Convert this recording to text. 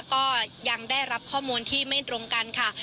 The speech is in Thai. ก็ยังได้รับข้อมูลที่ไม่ตรงกันค่ะ